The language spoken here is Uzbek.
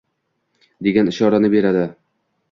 degan ishorani beradi.